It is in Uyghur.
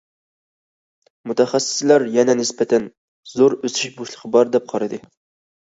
مۇتەخەسسىسلەر يەنە نىسبەتەن زور ئۆسۈش بوشلۇقى بار دەپ قارىدى.